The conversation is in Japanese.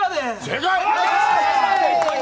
正解！